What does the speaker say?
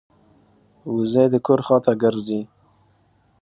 وزې د کور خوا ته ګرځي